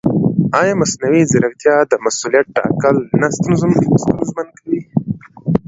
ایا مصنوعي ځیرکتیا د مسؤلیت ټاکل نه ستونزمن کوي؟